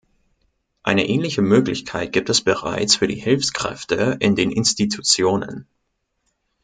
Eine ähnliche Möglichkeit gibt es bereits für die Hilfskräfte in den Institutionen.